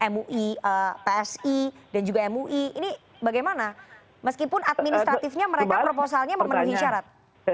mui psi dan juga mui ini bagaimana meskipun administratifnya mereka proposalnya memenuhi syarat